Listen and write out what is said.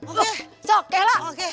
oke so kek lah oke